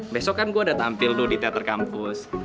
besok kan gua udah tampil lo di teater kampus